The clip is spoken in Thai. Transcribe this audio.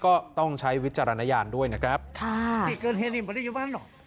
ก็ต้องใช้วิจารณญาณด้วยนะครับ